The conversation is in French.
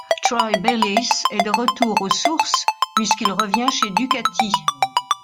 Troy Bayliss est de retour aux sources puisqu'il revient chez Ducati.